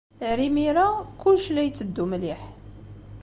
Ar imir-a, kullec la itteddu mliḥ.